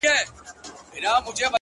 هغه مړ له مــسته واره دى لوېـدلى؛